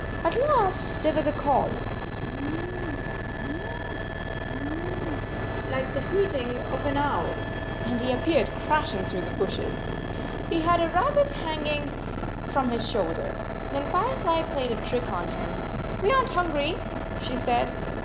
At last there was a call, " Hoo, hoo, hoooooo," like the hooting of an owl, and he appeared crashing through the bushes. He had a rabbit hanging from 58 his shoulder. Then Firefly played a trick on him. " We aren t hungry," she said.